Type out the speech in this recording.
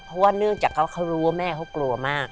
เพราะว่าเนื่องจากเขารู้ว่าแม่เขากลัวมาก